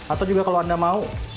atau juga kalau anda mau